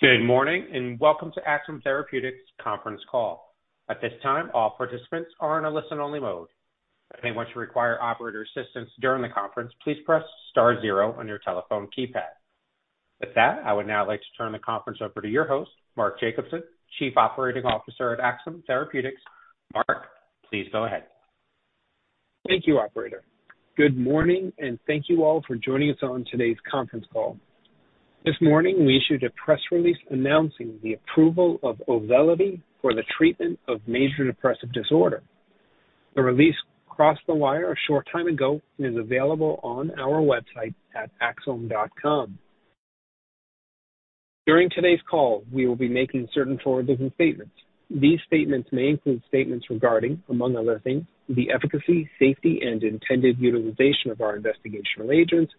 Good morning, and welcome to Axsome Therapeutics conference call. At this time, all participants are in a listen-only mode. If anyone should require operator assistance during the conference, please press star zero on your telephone keypad. With that, I would now like to turn the conference over to your host, Mark Jacobson, Chief Operating Officer at Axsome Therapeutics. Mark, please go ahead. Thank you, operator. Good morning, and thank you all for joining us on today's conference call. This morning we issued a press release announcing the approval of Auvelity for the treatment of major depressive disorder. The release crossed the wire a short time ago and is available on our website at axsome.com. During today's call, we will be making certain forward-looking statements. These statements may include statements regarding, among other things, the efficacy, safety, and intended utilization of our investigational agents,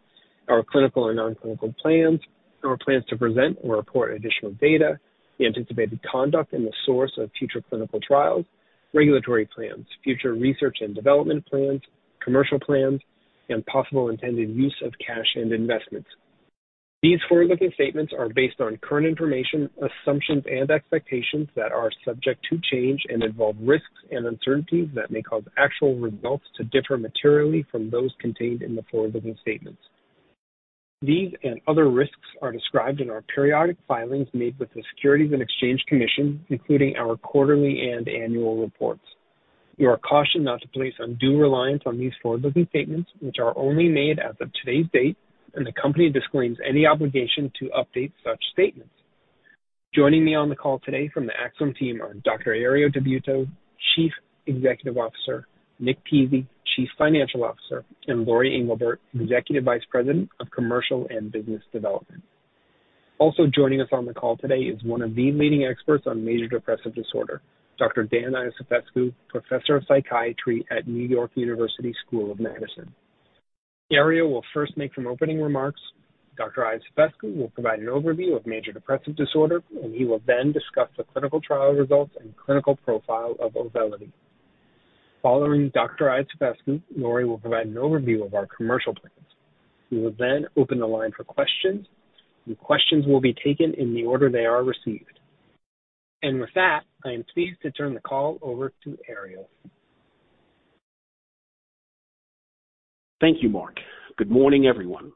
our clinical and non-clinical plans, our plans to present or report additional data, the anticipated conduct and the source of future clinical trials, regulatory plans, future research and development plans, commercial plans, and possible intended use of cash and investments. These forward-looking statements are based on current information, assumptions and expectations that are subject to change and involve risks and uncertainties that may cause actual results to differ materially from those contained in the forward-looking statements. These and other risks are described in our periodic filings made with the Securities and Exchange Commission, including our quarterly and annual reports. You are cautioned not to place undue reliance on these forward-looking statements, which are only made as of today's date, and the company disclaims any obligation to update such statements. Joining me on the call today from the Axsome team are Dr. Herriot Tabuteau, Chief Executive Officer, Nick Pizzie, Chief Financial Officer, and Lori Englebert, Executive Vice President of Commercial and Business Development. Also joining us on the call today is one of the leading experts on major depressive disorder, Dr. Dan Iosifescu, Professor of Psychiatry at NYU Grossman School of Medicine. Herriot Tabuteau will first make some opening remarks. Dr. Iosifescu will provide an overview of major depressive disorder, and he will then discuss the clinical trial results and clinical profile of Auvelity. Following Dr. Iosifescu, Lori will provide an overview of our commercial plans. We will then open the line for questions, and questions will be taken in the order they are received. With that, I am pleased to turn the call over to Herriot Tabuteau. Thank you, Mark. Good morning, everyone.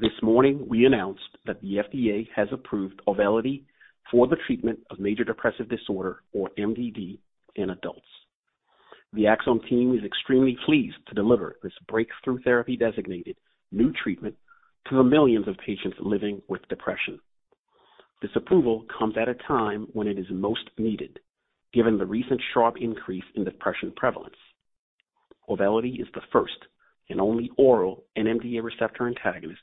This morning we announced that the FDA has approved Auvelity for the treatment of Major Depressive Disorder, or MDD, in adults. The Axsome team is extremely pleased to deliver this breakthrough therapy designated new treatment to the millions of patients living with depression. This approval comes at a time when it is most needed, given the recent sharp increase in depression prevalence. Auvelity is the first and only oral NMDA receptor antagonist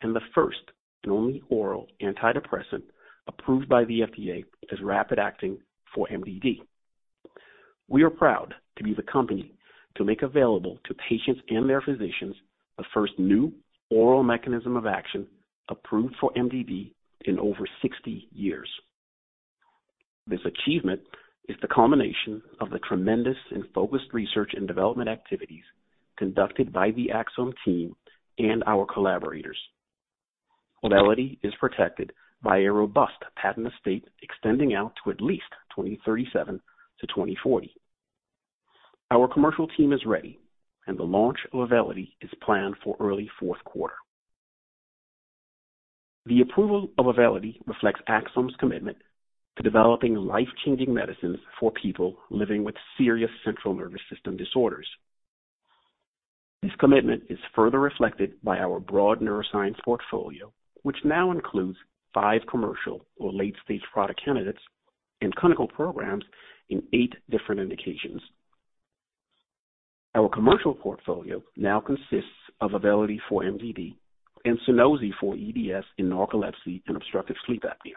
and the first and only oral antidepressant approved by the FDA as rapid acting for MDD. We are proud to be the company to make available to patients and their physicians the first new oral mechanism of action approved for MDD in over 60 years. This achievement is the culmination of the tremendous and focused research and development activities conducted by the Axsome team and our collaborators. Auvelity is protected by a robust patent estate extending out to at least 2037-2040. Our commercial team is ready, and the launch of Auvelity is planned for early Q4. The approval of Auvelity reflects Axsome's commitment to developing life-changing medicines for people living with serious central nervous system disorders. This commitment is further reflected by our broad neuroscience portfolio, which now includes five commercial or late-stage product candidates in clinical programs in eight different indications. Our commercial portfolio now consists of Auvelity for MDD and Sunosi for EDS in narcolepsy and obstructive sleep apnea.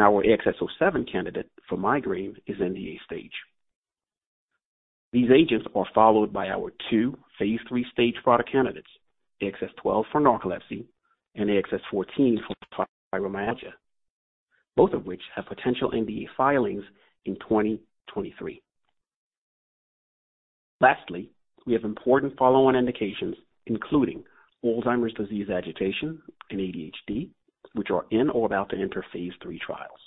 Our AXS-07 candidate for migraine is NDA stage. These agents are followed by our two phase III stage product candidates, AXS-12 for narcolepsy and AXS-14 for fibromyalgia, both of which have potential NDA filings in 2023. Lastly, we have important follow-on indications, including Alzheimer's disease agitation and ADHD, which are in or about to enter phase III trials.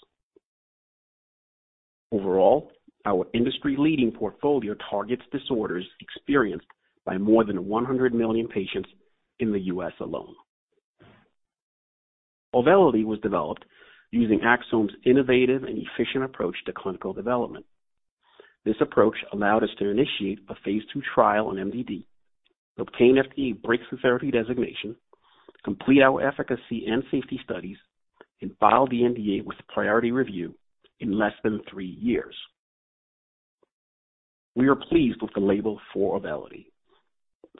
Overall, our industry-leading portfolio targets disorders experienced by more than 100 million patients in the U.S. alone. Auvelity was developed using Axsome's innovative and efficient approach to clinical development. This approach allowed us to initiate a phase II trial on MDD, obtain FDA breakthrough therapy designation, complete our efficacy and safety studies, and file the NDA with priority review in less than three years. We are pleased with the label for Auvelity,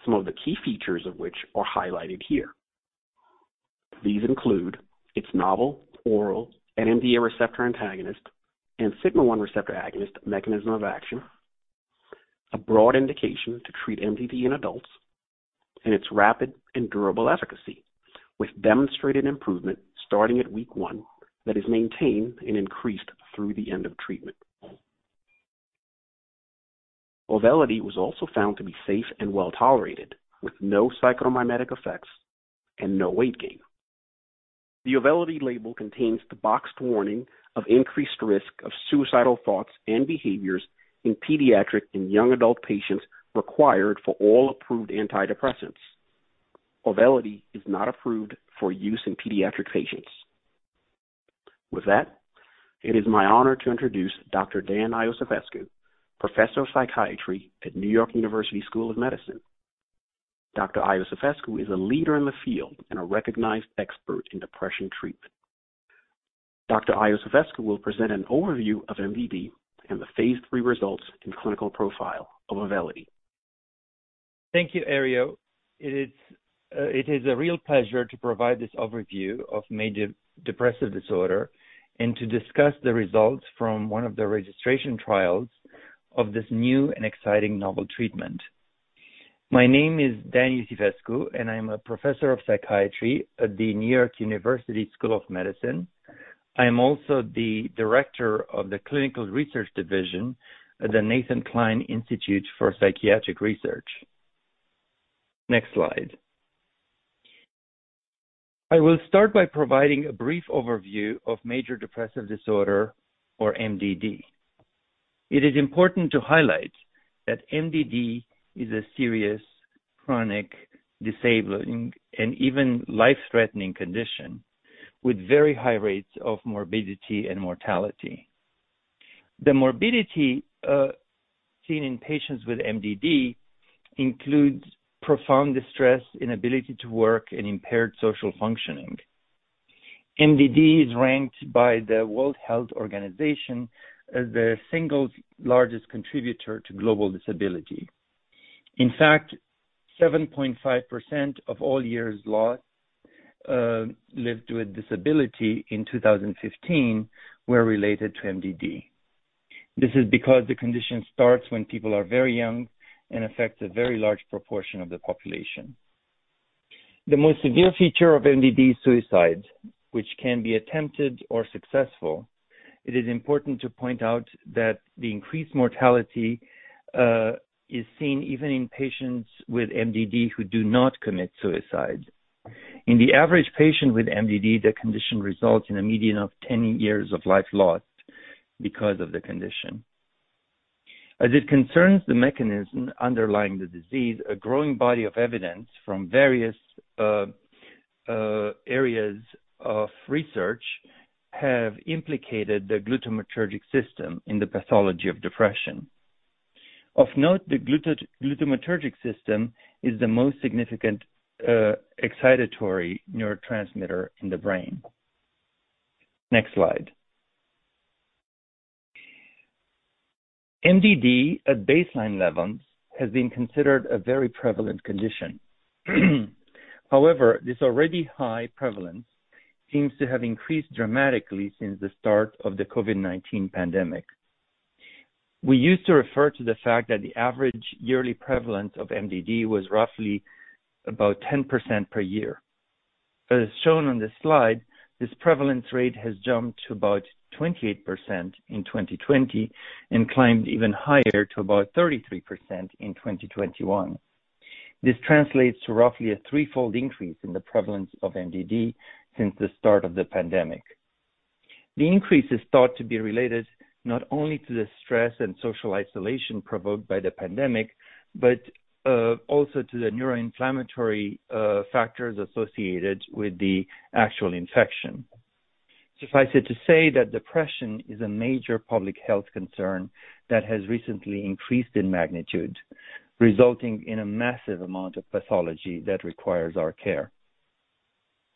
some of the key features of which are highlighted here. These include its novel oral NMDA receptor antagonist and sigma-1 receptor agonist mechanism of action. A broad indication to treat MDD in adults. Its rapid and durable efficacy with demonstrated improvement starting at week one that is maintained and increased through the end of treatment. Auvelity was also found to be safe and well-tolerated, with no psychotomimetic effects and no weight gain. The Auvelity label contains the boxed warning of increased risk of suicidal thoughts and behaviors in pediatric and young adult patients required for all approved antidepressants. Auvelity is not approved for use in pediatric patients. With that, it is my honor to introduce Dr. Dan Iosifescu, Professor of Psychiatry at NYU Grossman School of Medicine. Dr. Iosifescu is a leader in the field and a recognized expert in depression treatment. Dr. Iosifescu will present an overview of MDD and the phase three results and clinical profile of Auvelity. Thank you, Herriot Tabuteau. It is a real pleasure to provide this overview of major depressive disorder and to discuss the results from one of the registration trials of this new and exciting novel treatment. My name is Dan Iosifescu, and I'm a professor of psychiatry at the NYU Grossman School of Medicine. I'm also the director of the Clinical Research Division at the Nathan Kline Institute for Psychiatric Research. Next slide. I will start by providing a brief overview of major depressive disorder or MDD. It is important to highlight that MDD is a serious, chronic, disabling, and even life-threatening condition with very high rates of morbidity and mortality. The morbidity seen in patients with MDD includes profound distress, inability to work, and impaired social functioning. MDD is ranked by the World Health Organization as the single largest contributor to global disability. In fact, 7.5% of all years lost lived with disability in 2015 were related to MDD. This is because the condition starts when people are very young and affects a very large proportion of the population. The most severe feature of MDD is suicide, which can be attempted or successful. It is important to point out that the increased mortality is seen even in patients with MDD who do not commit suicide. In the average patient with MDD, the condition results in a median of 10 years of life lost because of the condition. As it concerns the mechanism underlying the disease, a growing body of evidence from various areas of research have implicated the glutamatergic system in the pathology of depression. Of note, the glutamatergic system is the most significant excitatory neurotransmitter in the brain. Next slide. MDD at baseline levels has been considered a very prevalent condition. However, this already high prevalence seems to have increased dramatically since the start of the COVID-19 pandemic. We used to refer to the fact that the average yearly prevalence of MDD was roughly about 10% per year. As shown on this slide, this prevalence rate has jumped to about 28% in 2020 and climbed even higher to about 33% in 2021. This translates to roughly a threefold increase in the prevalence of MDD since the start of the pandemic. The increase is thought to be related not only to the stress and social isolation provoked by the pandemic, but also to the neuroinflammatory factors associated with the actual infection. Suffice it to say that depression is a major public health concern that has recently increased in magnitude, resulting in a massive amount of pathology that requires our care.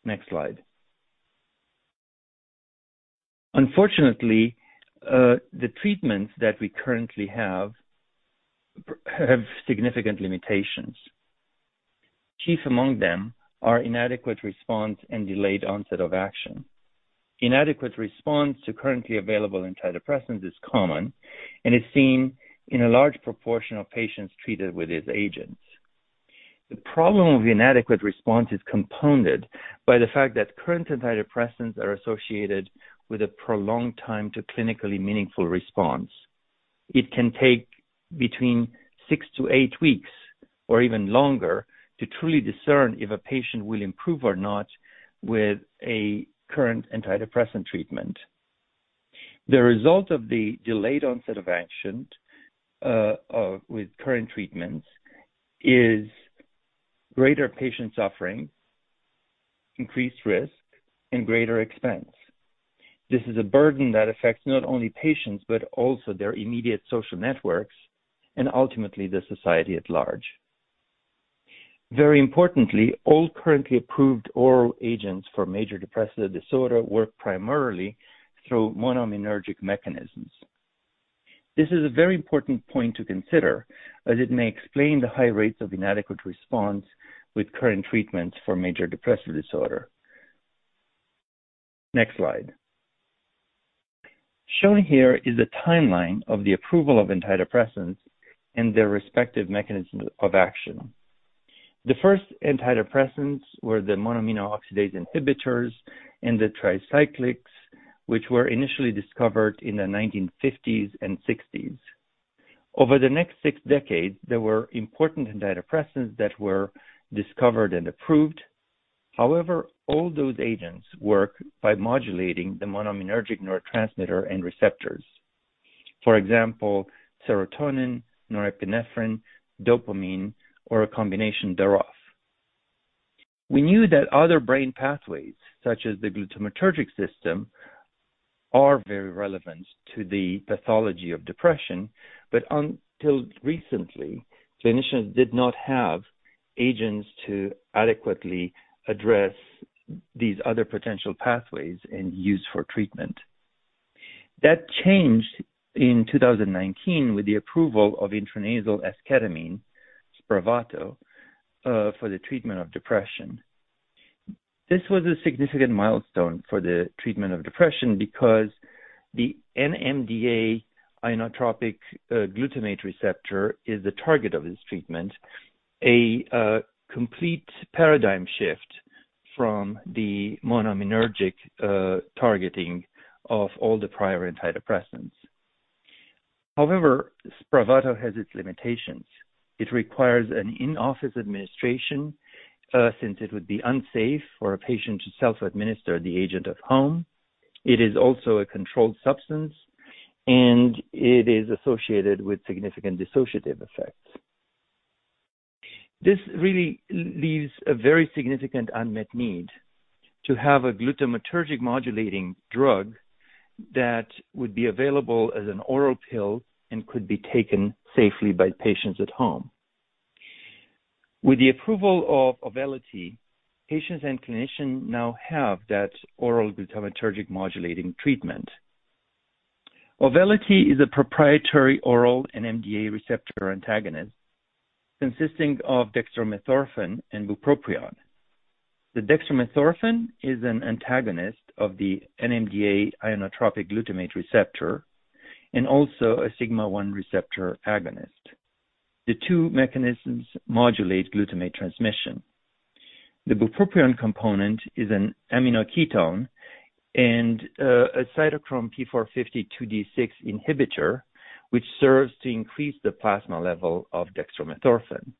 Next slide. Unfortunately, the treatments that we currently have have significant limitations. Chief among them are inadequate response and delayed onset of action. Inadequate response to currently available antidepressants is common and is seen in a large proportion of patients treated with these agents. The problem of inadequate response is compounded by the fact that current antidepressants are associated with a prolonged time to clinically meaningful response. It can take between six-eight weeks or even longer to truly discern if a patient will improve or not with a current antidepressant treatment. The result of the delayed onset of action with current treatments is greater patient suffering, increased risk, and greater expense. This is a burden that affects not only patients, but also their immediate social networks and ultimately the society at large. Very importantly, all currently approved oral agents for major depressive disorder work primarily through monoaminergic mechanisms. This is a very important point to consider, as it may explain the high rates of inadequate response with current treatments for major depressive disorder. Next slide. Shown here is a timeline of the approval of antidepressants and their respective mechanisms of action. The first antidepressants were the monoamine oxidase inhibitors and the tricyclics, which were initially discovered in the 1950s and 1960s. Over the next six decades, there were important antidepressants that were discovered and approved. However, all those agents work by modulating the monoaminergic neurotransmitter and receptors. For example, serotonin, norepinephrine, dopamine or a combination thereof. We knew that other brain pathways, such as the glutamatergic system, are very relevant to the pathology of depression. Until recently, clinicians did not have agents to adequately address these other potential pathways and use for treatment. That changed in 2019 with the approval of intranasal esketamine, SPRAVATO, for the treatment of depression. This was a significant milestone for the treatment of depression because the NMDA ionotropic glutamate receptor is the target of this treatment. A complete paradigm shift from the monoaminergic targeting of all the prior antidepressants. However, SPRAVATO has its limitations. It requires an in-office administration since it would be unsafe for a patient to self-administer the agent at home. It is also a controlled substance, and it is associated with significant dissociative effects. This really leaves a very significant unmet need to have a glutamatergic modulating drug that would be available as an oral pill and could be taken safely by patients at home. With the approval of Auvelity, patients and clinicians now have that oral glutamatergic modulating treatment. Auvelity is a proprietary oral NMDA receptor antagonist consisting of dextromethorphan and bupropion. The dextromethorphan is an antagonist of the NMDA ionotropic glutamate receptor and also a sigma one receptor agonist. The two mechanisms modulate glutamate transmission. The bupropion component is an aminoketone and a cytochrome P450 2D6 inhibitor which serves to increase the plasma level of dextromethorphan.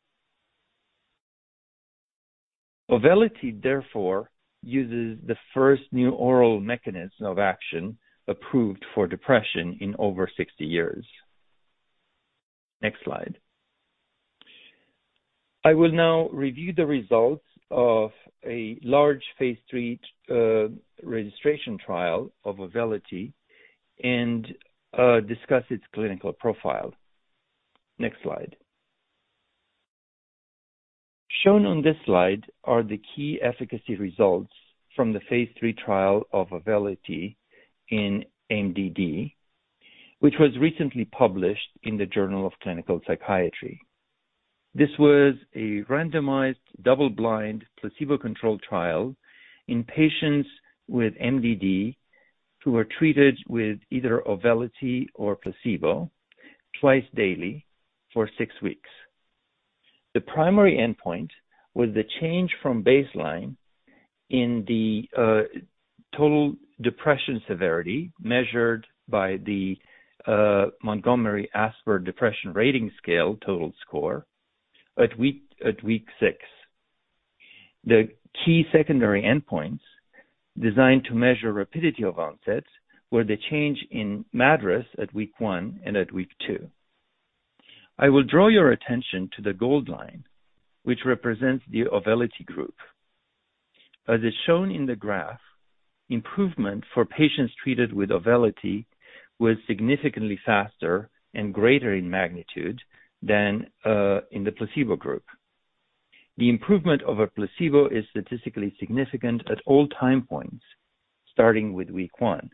Auvelity therefore uses the first new oral mechanism of action approved for depression in over 60 years. Next slide. I will now review the results of a large phase three registration trial of Auvelity and discuss its clinical profile. Next slide. Shown on this slide are the key efficacy results from the phase III trial of Auvelity in MDD, which was recently published in The Journal of Clinical Psychiatry. This was a randomized, double-blind, placebo-controlled trial in patients with MDD who were treated with either Auvelity or placebo twice daily for six weeks. The primary endpoint was the change from baseline in the total depression severity measured by the Montgomery-Åsberg Depression Rating Scale total score at week six. The key secondary endpoints designed to measure rapidity of onset were the change in MADRS at week one and at week two. I will draw your attention to the gold line, which represents the Auvelity group. As is shown in the graph, improvement for patients treated with Auvelity was significantly faster and greater in magnitude than in the placebo group. The improvement over placebo is statistically significant at all time points, starting with week one.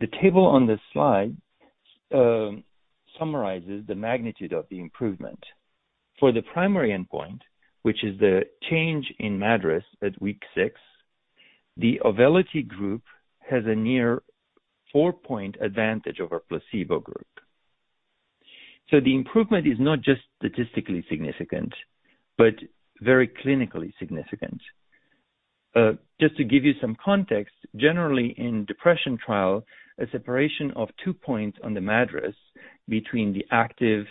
The table on this slide summarizes the magnitude of the improvement. For the primary endpoint, which is the change in MADRS at week six, the Auvelity group has a near four-point advantage over placebo group. The improvement is not just statistically significant but very clinically significant. Just to give you some context, generally in depression trial, a separation of two points on the MADRS between the active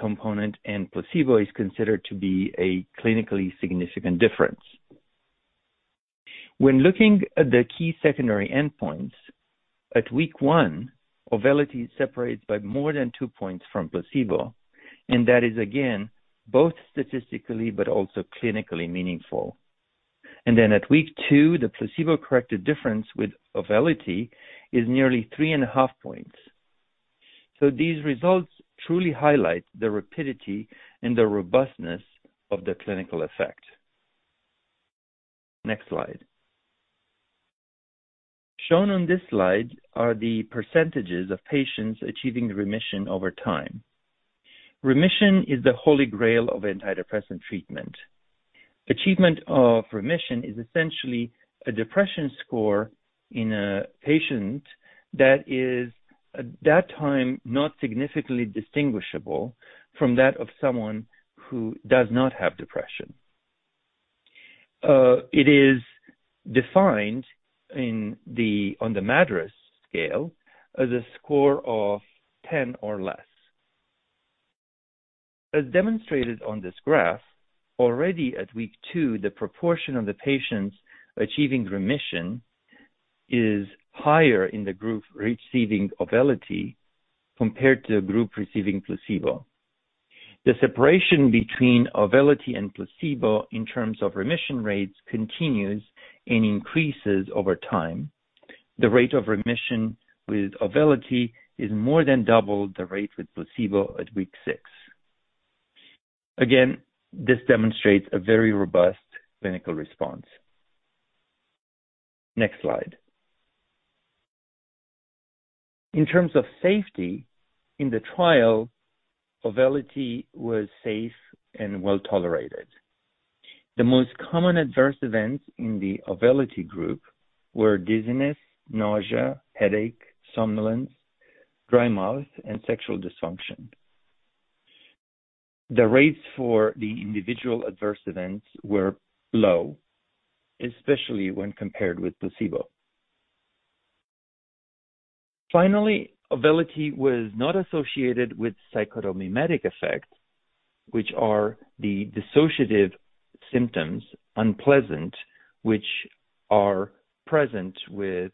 component and placebo is considered to be a clinically significant difference. When looking at the key secondary endpoints at week one, Auvelity separates by more than two points from placebo, and that is again both statistically but also clinically meaningful. At week two, the placebo corrected difference with Auvelity is nearly 3.5 points. These results truly highlight the rapidity and the robustness of the clinical effect. Next slide. Shown on this slide are the percentages of patients achieving remission over time. Remission is the holy grail of antidepressant treatment. Achievement of remission is essentially a depression score in a patient that is at that time not significantly distinguishable from that of someone who does not have depression. It is defined on the MADRS scale as a score of 10 or less. As demonstrated on this graph, already at week two, the proportion of the patients achieving remission is higher in the group receiving Auvelity compared to the group receiving placebo. The separation between Auvelity and placebo in terms of remission rates continues and increases over time. The rate of remission with Auvelity is more than double the rate with placebo at week six. Again, this demonstrates a very robust clinical response. Next slide. In terms of safety in the trial, Auvelity was safe and well tolerated. The most common adverse events in the Auvelity group were dizziness, nausea, headache, somnolence, dry mouth, and sexual dysfunction. The rates for the individual adverse events were low, especially when compared with placebo. Finally, Auvelity was not associated with psychotomimetic effects, which are the dissociative symptoms, unpleasant, which are present with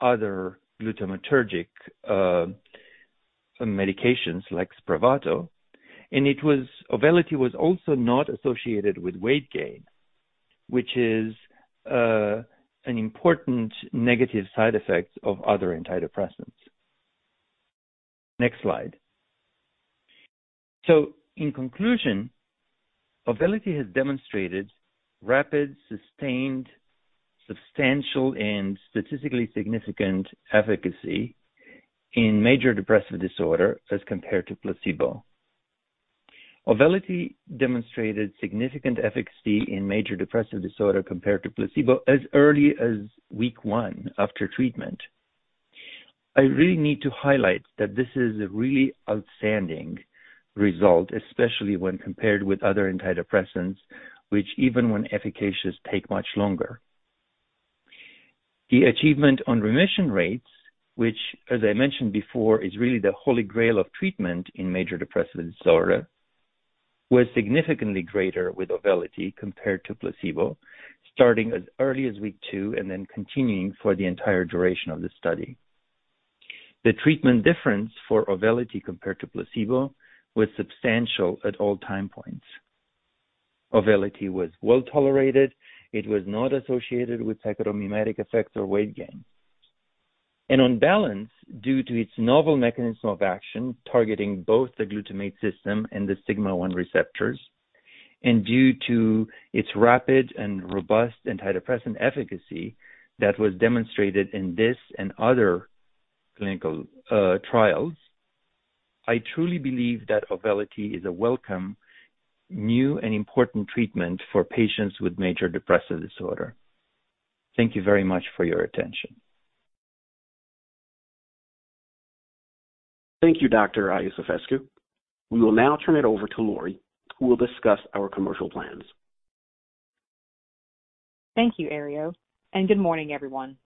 other glutamatergic medications like SPRAVATO. Auvelity was also not associated with weight gain, which is, an important negative side effect of other antidepressants. Next slide. In conclusion, Auvelity has demonstrated rapid, sustained, substantial, and statistically significant efficacy in major depressive disorder as compared to placebo. Auvelity demonstrated significant efficacy in major depressive disorder compared to placebo as early as week one after treatment. I really need to highlight that this is a really outstanding result, especially when compared with other antidepressants, which even when efficacious, take much longer. The achievement on remission rates, which, as I mentioned before, is really the holy grail of treatment in major depressive disorder, was significantly greater with Auvelity compared to placebo, starting as early as week two and then continuing for the entire duration of the study. The treatment difference for Auvelity compared to placebo was substantial at all time points. Auvelity was well tolerated. It was not associated with psychotomimetic effects or weight gain. On balance, due to its novel mechanism of action targeting both the glutamate system and the sigma-1 receptors, and due to its rapid and robust antidepressant efficacy that was demonstrated in this and other clinical trials, I truly believe that Auvelity is a welcome new and important treatment for patients with major depressive disorder. Thank you very much for your attention. Thank you, Dr. Iosifescu. We will now turn it over to Lori, who will discuss our commercial plans. Thank you, Herriot, and good morning, everyone.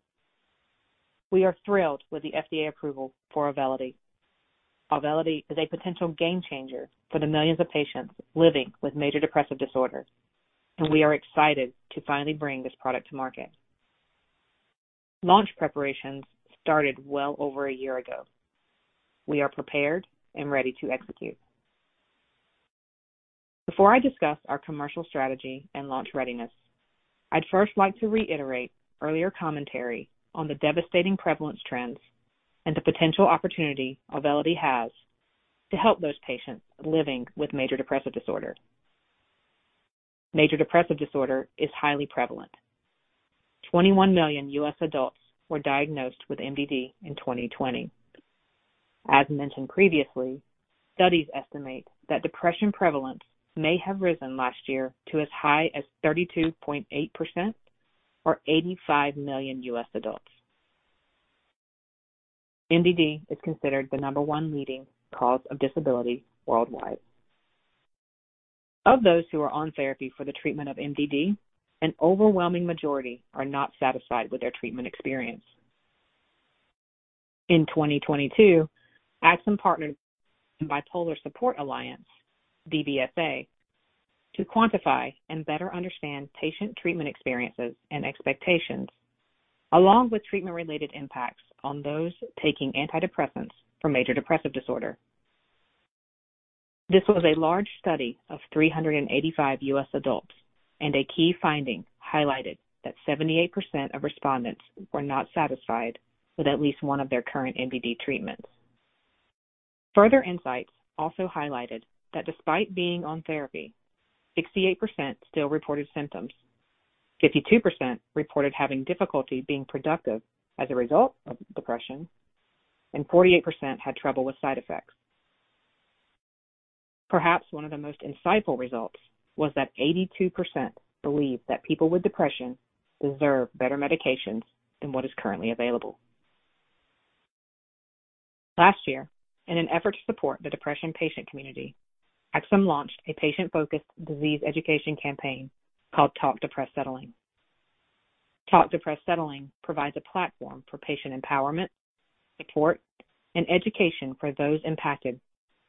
We are thrilled with the FDA approval for Auvelity. Auvelity is a potential game changer for the millions of patients living with major depressive disorder, and we are excited to finally bring this product to market. Launch preparations started well over a year ago. We are prepared and ready to execute. Before I discuss our commercial strategy and launch readiness, I'd first like to reiterate earlier commentary on the devastating prevalence trends and the potential opportunity Auvelity has to help those patients living with major depressive disorder. Major depressive disorder is highly prevalent. 21 million U.S. adults were diagnosed with MDD in 2020. As mentioned previously, studies estimate that depression prevalence may have risen last year to as high as 32.8% or 85 million U.S. adults. MDD is considered the number one leading cause of disability worldwide. Of those who are on therapy for the treatment of MDD, an overwhelming majority are not satisfied with their treatment experience. In 2022, Axsome partnered with Depression and Bipolar Support Alliance, DBSA, to quantify and better understand patient treatment experiences and expectations, along with treatment-related impacts on those taking antidepressants for major depressive disorder. This was a large study of 385 U.S. adults and a key finding highlighted that 78% of respondents were not satisfied with at least one of their current MDD treatments. Further insights also highlighted that despite being on therapy, 68% still reported symptoms. 52% reported having difficulty being productive as a result of depression, and 48% had trouble with side effects. Perhaps one of the most insightful results was that 82% believe that people with depression deserve better medications than what is currently available. Last year, in an effort to support the depression patient community, Axsome launched a patient-focused disease education campaign called Talk Depression. Talk Depression provides a platform for patient empowerment, support, and education for those impacted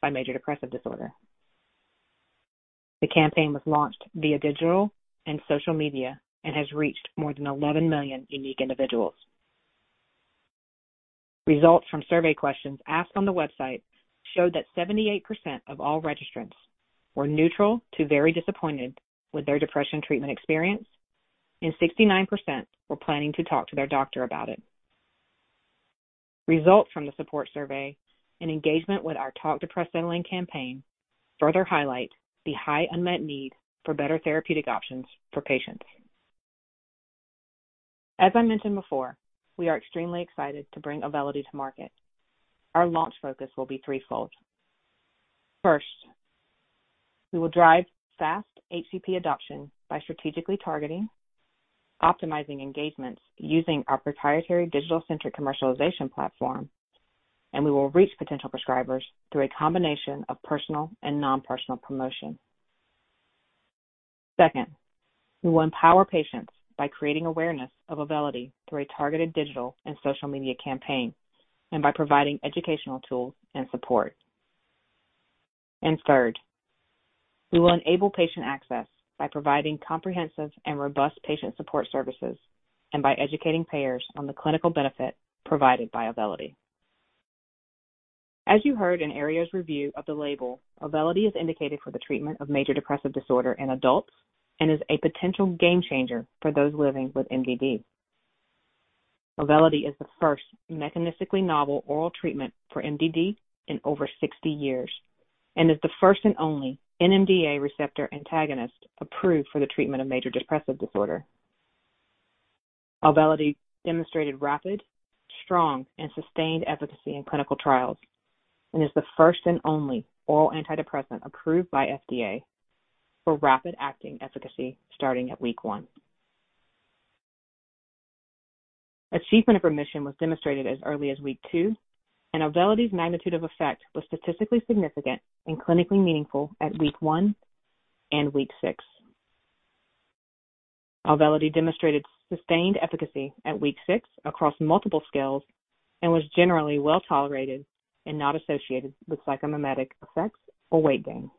by major depressive disorder. The campaign was launched via digital and social media and has reached more than 11 million unique individuals. Results from survey questions asked on the website showed that 78% of all registrants were neutral to very disappointed with their depression treatment experience and 69% were planning to talk to their doctor about it. Results from the support survey and engagement with our Talk Depression campaign further highlight the high unmet need for better therapeutic options for patients. As I mentioned before, we are extremely excited to bring Auvelity to market. Our launch focus will be threefold. First, we will drive fast HCP adoption by strategically targeting, optimizing engagements using our proprietary digital-centric commercialization platform, and we will reach potential prescribers through a combination of personal and non-personal promotion. Second, we will empower patients by creating awareness of Auvelity through a targeted digital and social media campaign and by providing educational tools and support. Third, we will enable patient access by providing comprehensive and robust patient support services and by educating payers on the clinical benefit provided by Auvelity. As you heard in Herriot Tabuteau's review of the label, Auvelity is indicated for the treatment of major depressive disorder in adults and is a potential game changer for those living with MDD. Auvelity is the first mechanistically novel oral treatment for MDD in over 60 years and is the first and only NMDA receptor antagonist approved for the treatment of major depressive disorder. Auvelity demonstrated rapid, strong, and sustained efficacy in clinical trials and is the first and only oral antidepressant approved by FDA for rapid-acting efficacy starting at week one. Achievement of remission was demonstrated as early as week two, and Auvelity's magnitude of effect was statistically significant and clinically meaningful at week one and week six. Auvelity demonstrated sustained efficacy at week six across multiple scales and was generally well-tolerated and not associated with psychomimetic effects or weight gain.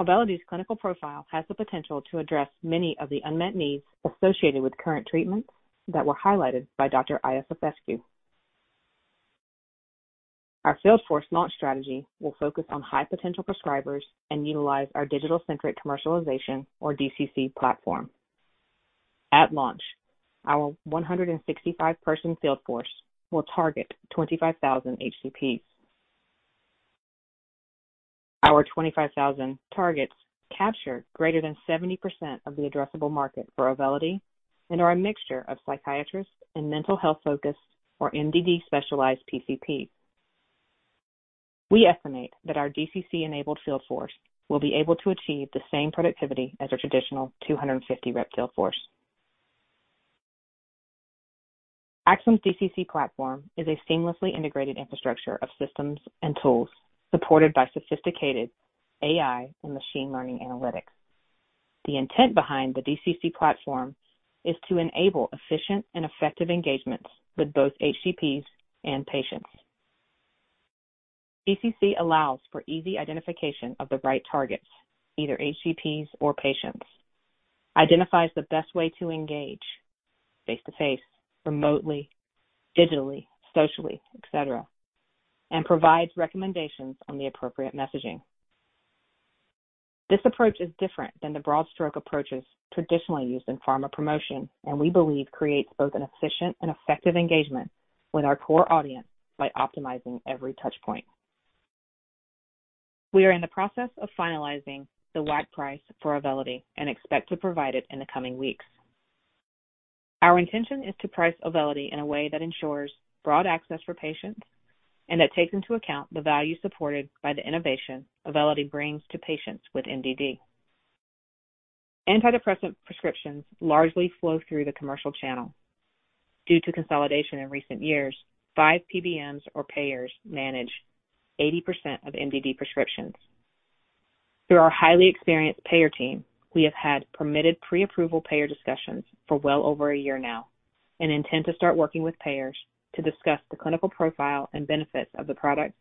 Auvelity's clinical profile has the potential to address many of the unmet needs associated with current treatments that were highlighted by Dr. Iosifescu. Our sales force launch strategy will focus on high-potential prescribers and utilize our digital centric commercialization or DCC platform. At launch, our 165-person field force will target 25,000 HCPs. Our 25,000 targets capture greater than 70% of the addressable market for Auvelity and are a mixture of psychiatrists and mental health-focused or MDD-specialized PCP. We estimate that our DCC-enabled field force will be able to achieve the same productivity as a traditional 250-rep field force. Axsome's DCC platform is a seamlessly integrated infrastructure of systems and tools supported by sophisticated AI and machine learning analytics. The intent behind the DCC platform is to enable efficient and effective engagements with both HCPs and patients. DCC allows for easy identification of the right targets, either HCPs or patients. Identifies the best way to engage face-to-face, remotely, digitally, socially, et cetera, and provides recommendations on the appropriate messaging. This approach is different than the broad stroke approaches traditionally used in pharma promotion and we believe creates both an efficient and effective engagement with our core audience by optimizing every touch point. We are in the process of finalizing the WAC price for Auvelity and expect to provide it in the coming weeks. Our intention is to price Auvelity in a way that ensures broad access for patients and that takes into account the value supported by the innovation Auvelity brings to patients with MDD. Antidepressant prescriptions largely flow through the commercial channel. Due to consolidation in recent years, five PBMs or payers manage 80% of MDD prescriptions. Through our highly experienced payer team, we have had permitted pre-approval payer discussions for well over a year now and intend to start working with payers to discuss the clinical profile and benefits of the product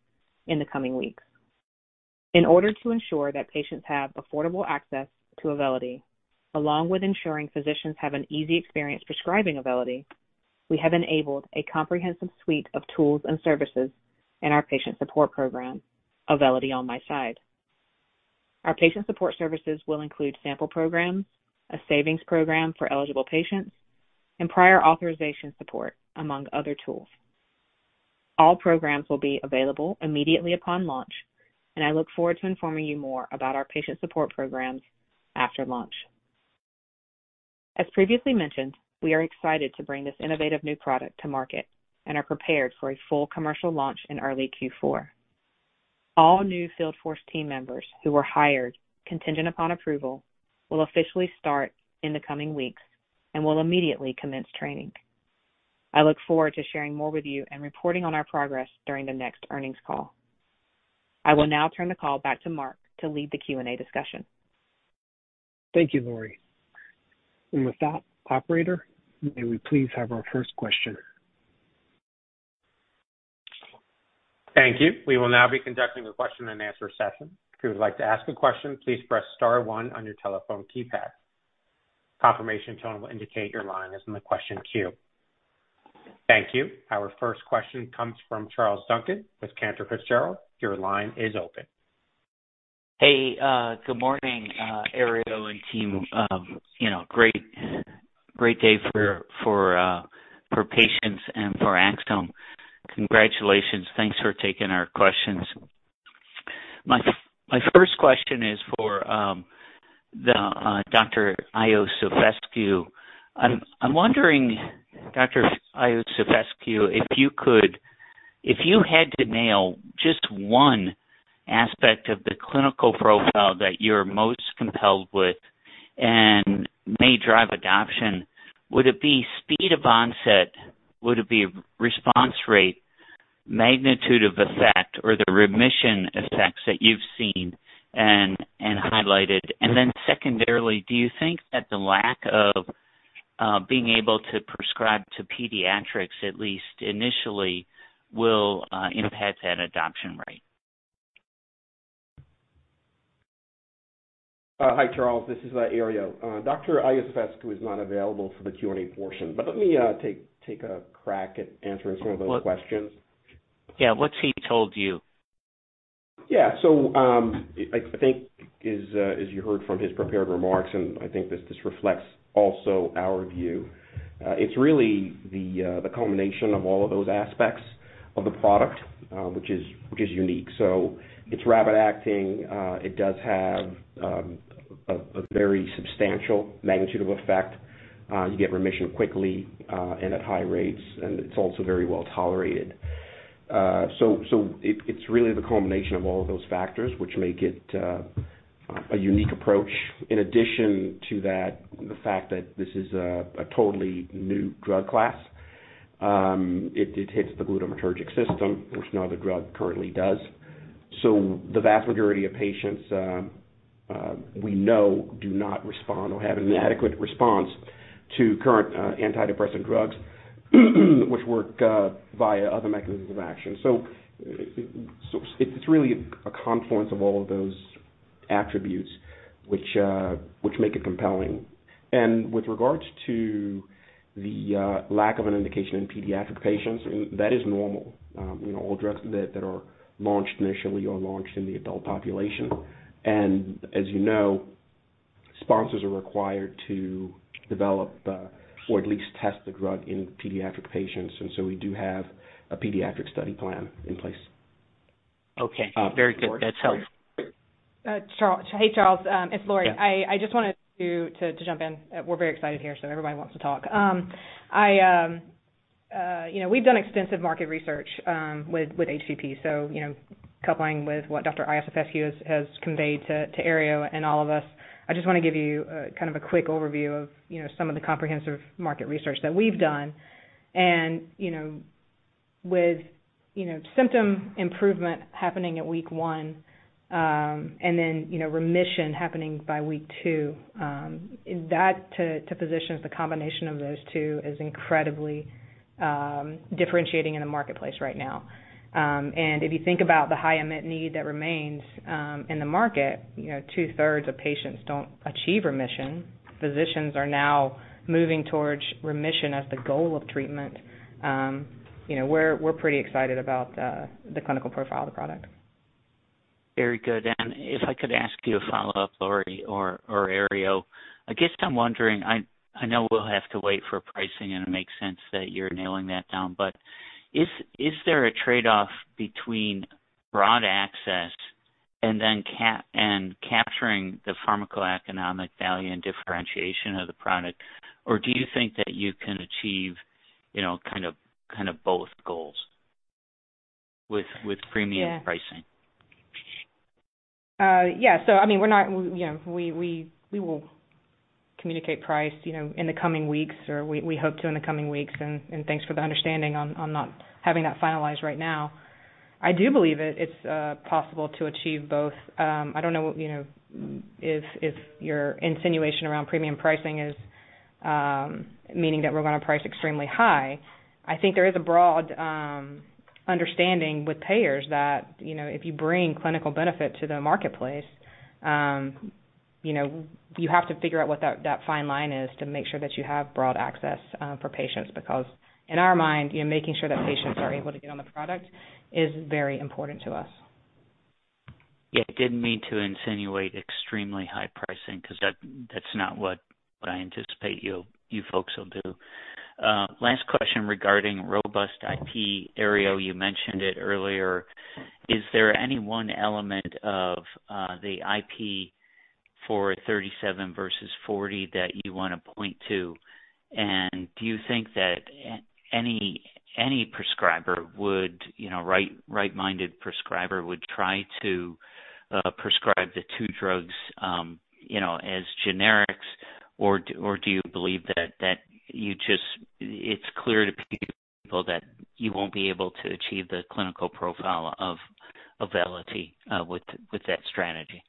in the coming weeks. In order to ensure that patients have affordable access to Auvelity, along with ensuring physicians have an easy experience prescribing Auvelity, we have enabled a comprehensive suite of tools and services in our patient support program, Auvelity On My Side. Our patient support services will include sample programs, a savings program for eligible patients, and prior authorization support, among other tools. All programs will be available immediately upon launch and I look forward to informing you more about our patient support programs after launch. As previously mentioned, we are excited to bring this innovative new product to market and are prepared for a full commercial launch in early Q4. All new field force team members who were hired contingent upon approval will officially start in the coming weeks and will immediately commence training. I look forward to sharing more with you and reporting on our progress during the next earnings call. I will now turn the call back to Mark to lead the Q&A discussion. Thank you, Lori. With that, operator, may we please have our first question? Thank you. We will now be conducting a question-and-answer session. If you would like to ask a question, please press star one on your telephone keypad. Confirmation tone will indicate your line is in the question queue. Thank you. Our first question comes from Charles Duncan with Cantor Fitzgerald. Your line is open. Hey, good morning, Herriot Tabuteau and team. You know, great day for patients and for Axsome. Congratulations. Thanks for taking our questions. My first question is for the Dr. Dan Iosifescu. I'm wondering, Dr. Dan Iosifescu, if you had to nail just one aspect of the clinical profile that you're most compelled with and may drive adoption, would it be speed of onset? Would it be response rate, magnitude of effect, or the remission effects that you've seen and highlighted? Then secondarily, do you think that the lack of being able to prescribe to pediatrics, at least initially, will impact that adoption rate? Hi, Charles. This is Herriot Tabuteau. Dr. Dan Iosifescu is not available for the Q&A portion, but let me take a crack at answering some of those questions. Yeah. What's he told you? Yeah. I think as you heard from his prepared remarks, and I think this reflects also our view, it's really the culmination of all of those aspects of the product, which is unique. It's rapid acting. It does have a very substantial magnitude of effect. You get remission quickly, and at high rates, and it's also very well tolerated. It's really the culmination of all of those factors which make it a unique approach. In addition to that, the fact that this is a totally new drug class, it hits the glutamatergic system, which no other drug currently does. The vast majority of patients, we know do not respond or have an adequate response to current, antidepressant drugs, which work, via other mechanisms of action. It's really a confluence of all of those attributes which make it compelling. With regards to the, lack of an indication in pediatric patients, that is normal. You know, all drugs that are launched initially are launched in the adult population. As you know, sponsors are required to develop the, or at least test the drug in pediatric patients. We do have a pediatric study plan in place. Okay. Very good. That's helpful. Hey, Charles, it's Lori. Yeah. I just wanted to jump in. We're very excited here, so everybody wants to talk. You know, we've done extensive market research with HCPs. You know, coupling with what Dr. Dan Iosifescu has conveyed to Ario and all of us. I just wanna give you kind of a quick overview of you know some of the comprehensive market research that we've done. You know, with you know symptom improvement happening at week one and then you know remission happening by week two, that to physicians, the combination of those two is incredibly differentiating in the marketplace right now. If you think about the high unmet need that remains in the market, you know, 2/3 of patients don't achieve remission. Physicians are now moving toward remission as the goal of treatment. You know, we're pretty excited about the clinical profile of the product. If I could ask you a follow-up, Lori or Ario. I guess I'm wondering, I know we'll have to wait for pricing, and it makes sense that you're nailing that down. But is there a trade-off between broad access and capturing the pharmacoeconomic value and differentiation of the product? Or do you think that you can achieve, you know, kind of both goals with premium pricing? Yeah. Yeah. I mean, we're not, you know, we will communicate price, you know, in the coming weeks or we hope to in the coming weeks. Thanks for the understanding on not having that finalized right now. I do believe it's possible to achieve both. I don't know what, you know, if your insinuation around premium pricing is meaning that we're gonna price extremely high. I think there is a broad understanding with payers that, you know, if you bring clinical benefit to the marketplace, you know, you have to figure out what that fine line is to make sure that you have broad access for patients. Because in our mind, you know, making sure that patients are able to get on the product is very important to us. Yeah. I didn't mean to insinuate extremely high pricing 'cause that's not what I anticipate you folks will do. Last question regarding robust IP. Herriot Tabuteau, you mentioned it earlier. Is there any one element of the IP for 37 versus 40 that you wanna point to? And do you think that any prescriber would, you know, right-minded prescriber would try to prescribe the two drugs, you know, as generics, or do you believe that you just it's clear to people that you won't be able to achieve the clinical profile of Auvelity with that strategy?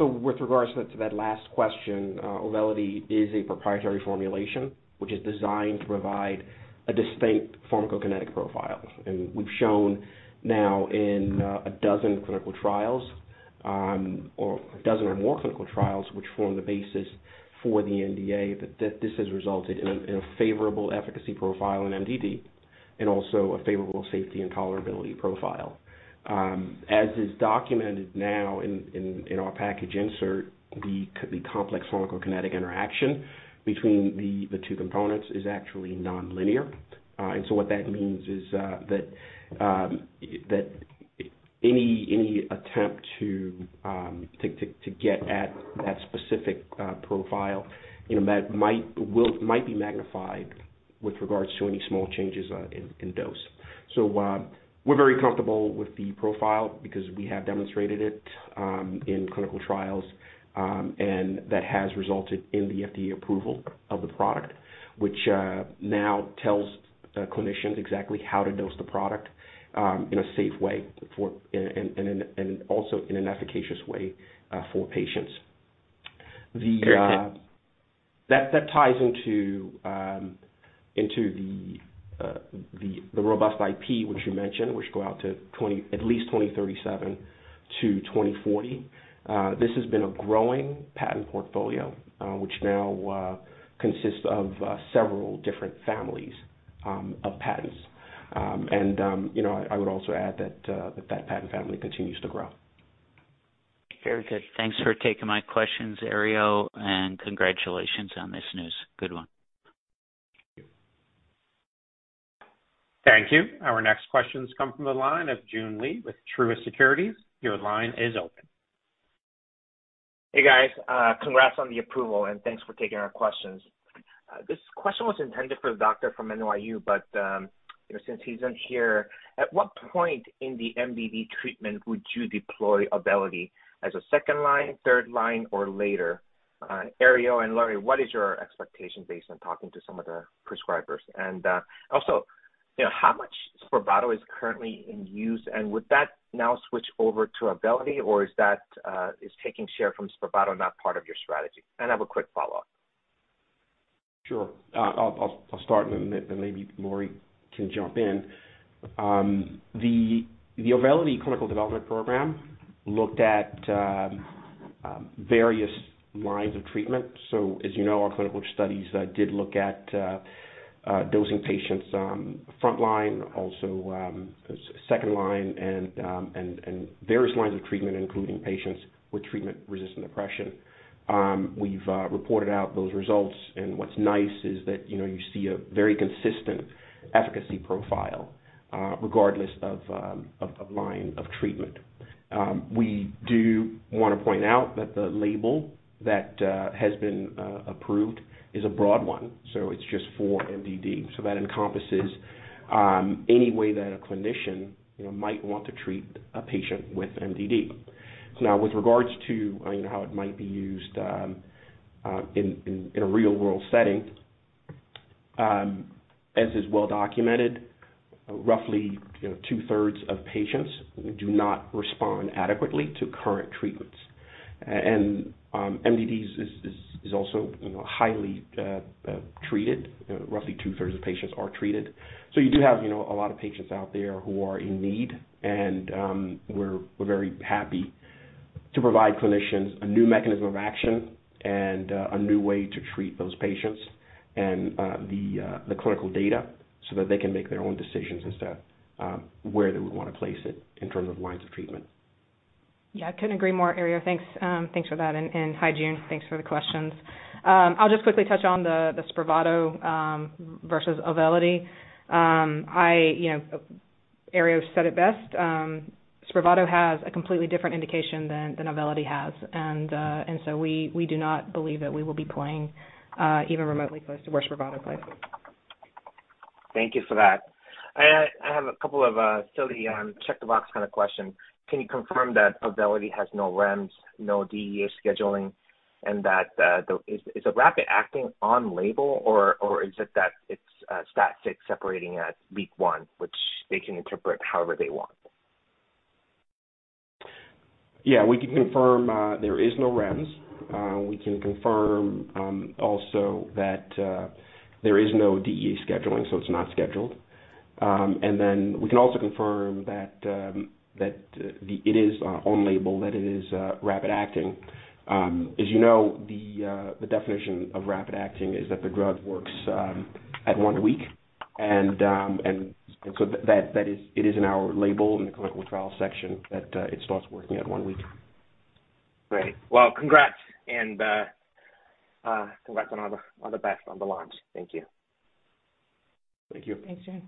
With regards to that last question, Auvelity is a proprietary formulation, which is designed to provide a distinct pharmacokinetic profile. We've shown now in a dozen clinical trials, or a dozen or more clinical trials, which form the basis for the NDA, that this has resulted in a favorable efficacy profile in MDD and also a favorable safety and tolerability profile. As is documented now in our package insert, the complex pharmacokinetic interaction between the two components is actually nonlinear. What that means is that any attempt to get at that specific profile, you know, might be magnified with regards to any small changes in dose. We're very comfortable with the profile because we have demonstrated it in clinical trials, and that has resulted in the FDA approval of the product, which now tells clinicians exactly how to dose the product in a safe way and also in an efficacious way for patients. Very good. That ties into the robust IP, which you mentioned, which go out to at least 2037-2040. This has been a growing patent portfolio, which now consists of several different families of patents. You know, I would also add that that patent family continues to grow. Very good. Thanks for taking my questions, Herriot Tabuteau, and congratulations on this news. Good one. Thank you. Thank you. Our next questions come from the line of June Lee with Truist Securities. Your line is open. Hey, guys. Congrats on the approval, and thanks for taking our questions. This question was intended for the doctor from NYU, but, you know, since he's not here, at what point in the MDD treatment would you deploy Auvelity as a second line, third line, or later? Herriot and Lori, what is your expectation based on talking to some of the prescribers? And, also, you know, how much SPRAVATO is currently in use, and would that now switch over to Auvelity, or is that, is taking share from SPRAVATO not part of your strategy? I have a quick follow-up. I'll start, then maybe Lori can jump in. The Auvelity clinical development program looked at various lines of treatment. As you know, our clinical studies did look at dosing patients frontline, also second line and various lines of treatment, including patients with treatment-resistant depression. We've reported out those results, and what's nice is that you know you see a very consistent efficacy profile regardless of line of treatment. We do wanna point out that the label that has been approved is a broad one, so it's just for MDD. That encompasses any way that a clinician you know might want to treat a patient with MDD. Now, with regards to, you know, how it might be used in a real-world setting, as is well documented, roughly, you know, 2/3 of patients do not respond adequately to current treatments. And, MDD is also, you know, highly treated. Roughly 2/3 of patients are treated. So you do have, you know, a lot of patients out there who are in need, and, we're very happy to provide clinicians a new mechanism of action and a new way to treat those patients and the clinical data so that they can make their own decisions as to where they would wanna place it in terms of lines of treatment. Yeah, I couldn't agree more, Herriot Tabuteau. Thanks, thanks for that. Hi, June. Thanks for the questions. I'll just quickly touch on the SPRAVATO versus Auvelity. I, you know, Herriot Tabuteau said it best. SPRAVATO has a completely different indication than Auvelity has. We do not believe that we will be playing even remotely close to where SPRAVATO plays. Thank you for that. I have a couple of silly check-the-box kind of questions. Can you confirm that Auvelity has no REMS, no DEA scheduling, and that the rapid acting is on label, or is it that it's stat sig separating at week one, which they can interpret however they want? Yeah. We can confirm there is no REMS. We can confirm also that there is no DEA scheduling, so it's not scheduled. We can also confirm that it is on label, that it is rapid acting. As you know, the definition of rapid acting is that the drug works at one week. That is in our label in the clinical trial section that it starts working at one week. Great. Well, congrats on all the best on the launch. Thank you. Thank you. Thanks, June Lee.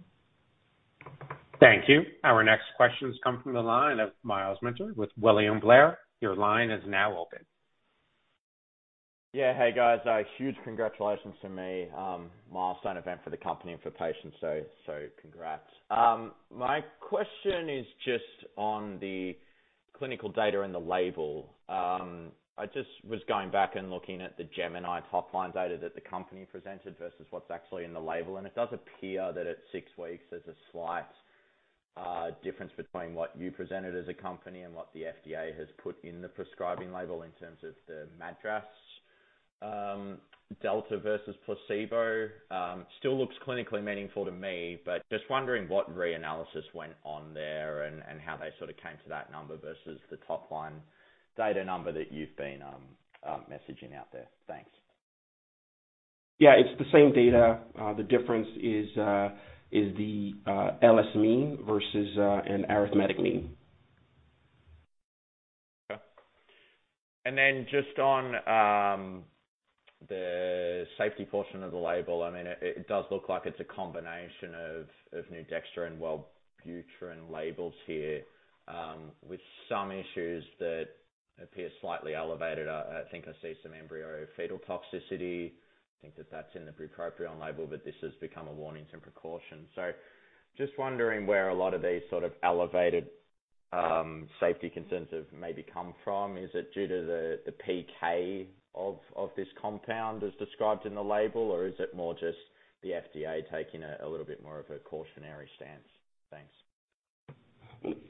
Thank you. Our next questions come from the line of Myles Minter with William Blair. Your line is now open. Yeah. Hey, guys. A huge congratulations to me. Milestone event for the company and for patients. Congrats. My question is just on the clinical data and the label. I just was going back and looking at the GEMINI top line data that the company presented versus what's actually in the label, and it does appear that at six weeks there's a slight difference between what you presented as a company and what the FDA has put in the prescribing label in terms of the MADRS delta versus placebo. Still looks clinically meaningful to me, but just wondering what reanalysis went on there and how they sort of came to that number versus the top line data number that you've been messaging out there. Thanks. Yeah, it's the same data. The difference is the LS mean versus an arithmetic mean. Okay. Just on the safety portion of the label. I mean, it does look like it's a combination of dextromethorphan and Wellbutrin labels here, with some issues that appear slightly elevated. I think I see some embryo fetal toxicity. I think that's in the bupropion label, but this has become a warning to precaution. Just wondering where a lot of these sort of elevated safety concerns have maybe come from. Is it due to the PK of this compound as described in the label, or is it more just the FDA taking a little bit more of a cautionary stance? Thanks.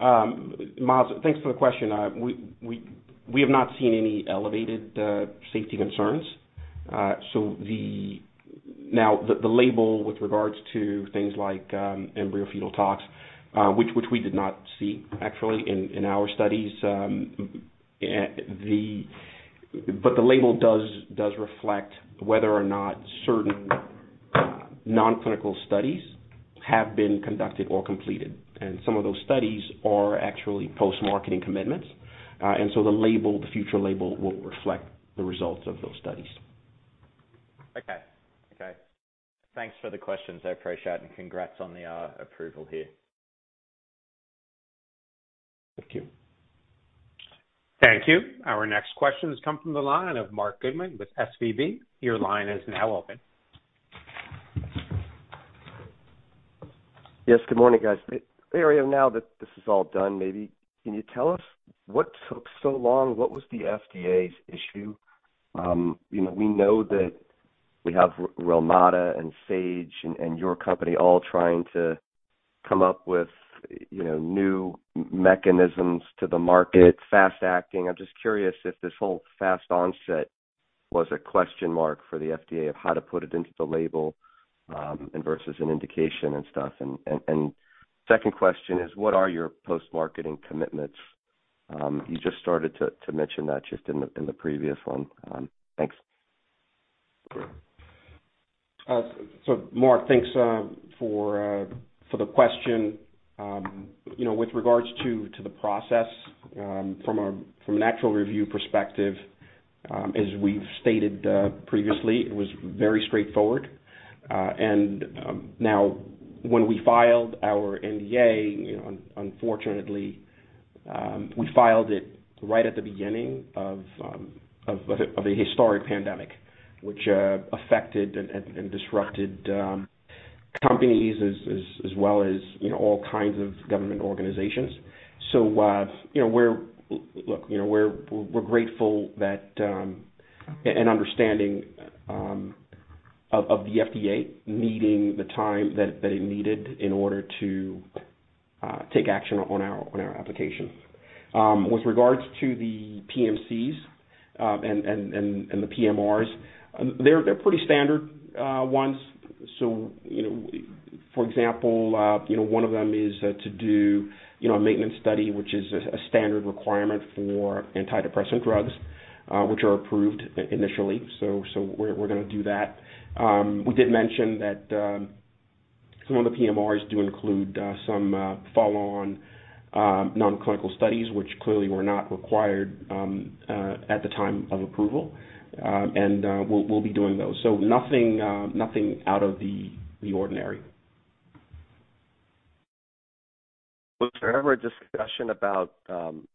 Myles, thanks for the question. We have not seen any elevated safety concerns. Now, the label with regards to things like embryo-fetal tox, which we did not see actually in our studies, but the label does reflect whether or not certain nonclinical studies have been conducted or completed, and some of those studies are actually postmarketing commitments. The label, the future label, will reflect the results of those studies. Okay. Thanks for the questions. I appreciate and congrats on the approval here. Thank you. Thank you. Our next questions come from the line of Marc Goodman with SVB. Your line is now open. Yes. Good morning, guys. Herriot, now that this is all done, maybe can you tell us what took so long? What was the FDA's issue? You know, we know that we have Relmada and Sage and your company all trying to come up with, you know, new mechanisms to the market, fast acting. I'm just curious if this whole fast onset was a question mark for the FDA of how to put it into the label, and versus an indication and stuff. Second question is what are your post-marketing commitments? You just started to mention that just in the previous one. Thanks. Mark, thanks for the question. You know, with regards to the process from an actual review perspective, as we've stated previously, it was very straightforward. Now when we filed our NDA, you know, unfortunately, we filed it right at the beginning of a historic pandemic, which affected and disrupted companies as well as all kinds of government organizations. You know, we're grateful and understanding of the FDA needing the time that it needed in order to take action on our application. With regards to the PMCs and the PMRs, they're pretty standard ones. You know, for example, one of them is to do a maintenance study, which is a standard requirement for antidepressant drugs, which are approved initially. We're gonna do that. We did mention that some of the PMRs do include some follow on non-clinical studies, which clearly were not required at the time of approval. We'll be doing those. Nothing out of the ordinary. Was there ever a discussion about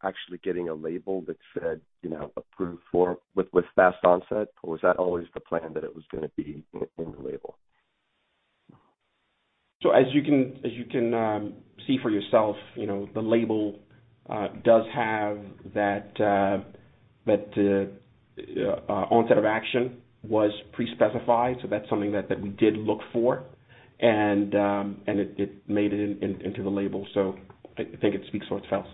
actually getting a label that said, you know, approved for with fast onset? Or was that always the plan that it was gonna be in the label? As you can see for yourself, you know, the label does have that onset of action was pre-specified. That's something that we did look for. And it made it into the label. I think it speaks for itself.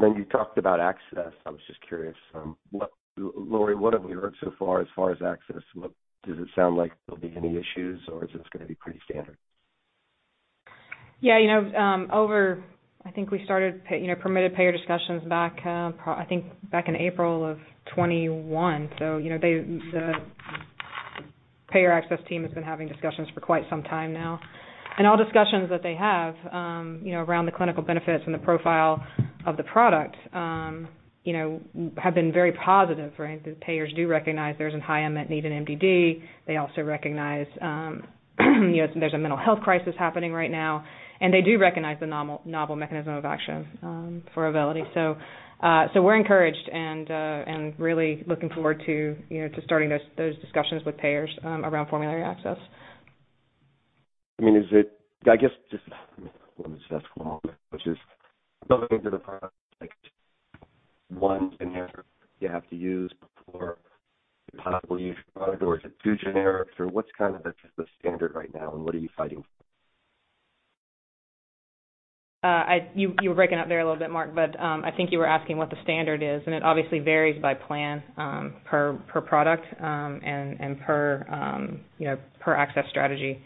Then you talked about access. I was just curious, Lori, what have we heard so far as far as access? Does it sound like there'll be any issues or is this gonna be pretty standard? Yeah. You know, over, I think we started payer, you know, permitted payer discussions back, I think, back in April of 2021. You know, they, the Payer access team has been having discussions for quite some time now. All discussions that they have, you know, around the clinical benefits and the profile of the product, you know, have been very positive, right? The payers do recognize there's a high unmet need in MDD. They also recognize, you know, there's a mental health crisis happening right now, and they do recognize the novel mechanism of action, for Auvelity. We're encouraged and really looking forward to, you know, to starting those discussions with payers, around formulary access. I mean, is it? I guess just. You were breaking up there a little bit, Mark, but I think you were asking what the standard is, and it obviously varies by plan, per product, and per access strategy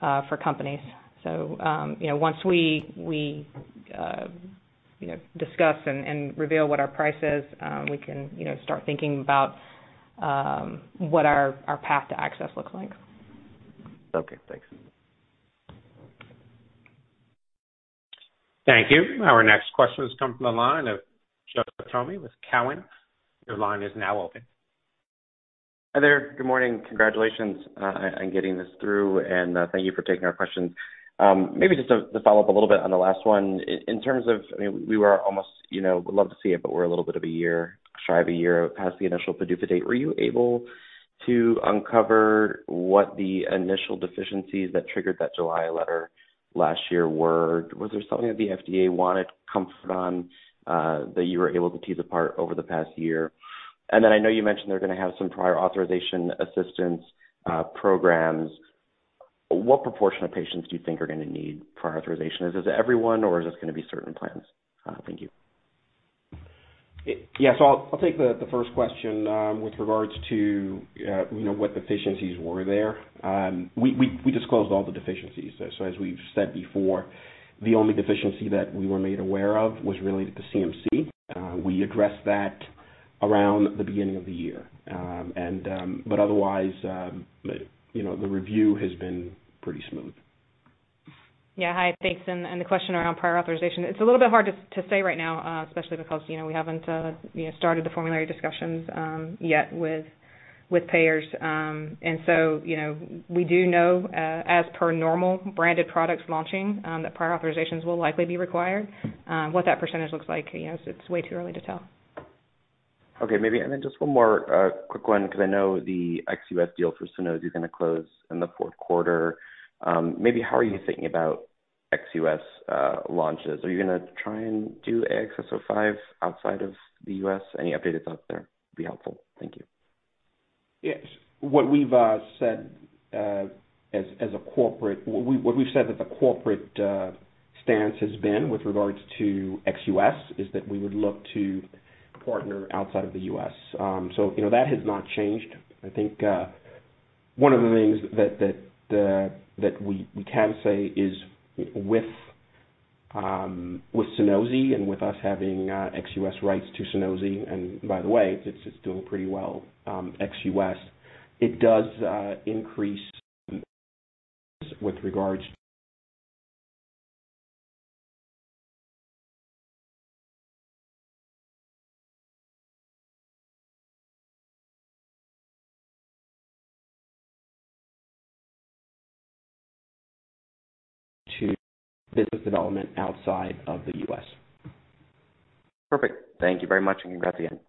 for companies. You know, once we discuss and reveal what our price is, we can start thinking about what our path to access looks like. Okay. Thanks. Thank you. Our next question has come from the line of Joseph Thome with TD Cowen. Your line is now open. Hi there. Good morning. Congratulations on getting this through, and thank you for taking our questions. Maybe just to follow up a little bit on the last one. In terms of, I mean, we were almost, you know, love to see it, but we're a little bit of a year, shy of a year past the initial PDUFA date. Were you able to uncover what the initial deficiencies that triggered that July letter last year were? Was there something that the FDA wanted comfort on, that you were able to tease apart over the past year? And then I know you mentioned they're gonna have some prior authorization assistance programs. What proportion of patients do you think are gonna need prior authorization? Is it everyone or is this gonna be certain plans? Thank you. Yeah. I'll take the first question with regards to you know what deficiencies were there. We disclosed all the deficiencies. As we've said before, the only deficiency that we were made aware of was related to CMC. We addressed that around the beginning of the year. But otherwise you know the review has been pretty smooth. Yeah. Hi. Thanks. The question around prior authorization. It's a little bit hard to say right now, especially because, you know, we haven't started the formulary discussions yet with payers. We do know, as per normal branded products launching, that prior authorizations will likely be required. What that percentage looks like, you know, it's way too early to tell. Okay. Maybe just one more quick one, 'cause I know the ex-US deal for Sunosi is gonna close in the Q4. Maybe how are you thinking about ex-US launches? Are you gonna try and do AXS-05 outside of the US? Any updates out there would be helpful. Thank you. Yes. What we've said that the corporate stance has been with regards to ex-U.S. is that we would look to partner outside of the U.S. You know, that has not changed. I think one of the things that we can say is with Sunosi and with us having ex-U.S. rights to Sunosi, and by the way, it's doing pretty well ex-U.S., it does increase with regards to business development outside of the U.S. Perfect. Thank you very much, and congrats again.